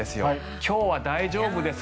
今日は大丈夫ですか？